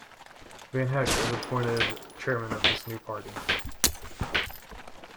Vanhecke was appointed chairman of this new party.